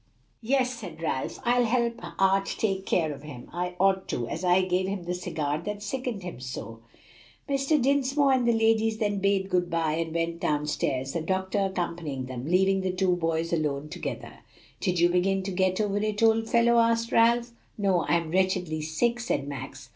"Yes," said Ralph, "I'll help Art take care of him. I ought to, as I gave him the cigar that sickened him so." Mr. Dinsmore and the ladies then bade good by and went down stairs, the doctor accompanying them, leaving the two boys alone together. "Do you begin to get over it, old fellow?" asked Ralph. "No; I'm wretchedly sick," said Max.